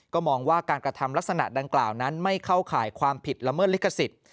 ก็มองว่าการกระทำลักษณะดังกล่าวนั้นไม่เข้าข่ายความผิดละเมิดลิขสิทธิ์